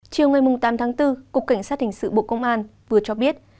chiều ngày tám tháng bốn cục cảnh sát hình sự bộ công an vừa cho biết